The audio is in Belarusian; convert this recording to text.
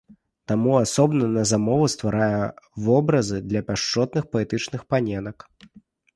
Таму асобна на замову стварае вобразы для пяшчотных паэтычных паненак.